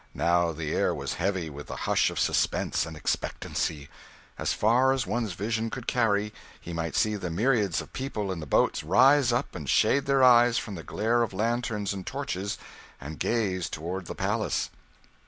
Now the air was heavy with the hush of suspense and expectancy. As far as one's vision could carry, he might see the myriads of people in the boats rise up, and shade their eyes from the glare of lanterns and torches, and gaze toward the palace.